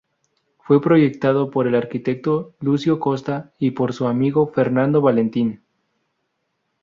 Fue proyectado por el arquitecto Lúcio Costa y por su amigo Fernando Valentim.